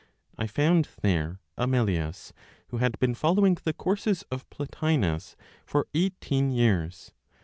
I found there Amelius, who had been following the courses of Plotinos for eighteen years.